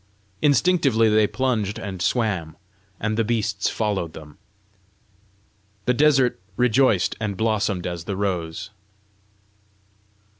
Instinctively they plunged and swam, and the beasts followed them. The desert rejoiced and blossomed as the rose.